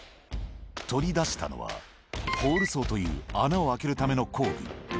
取り出したのは、ホールソーという、穴を開けるための工具。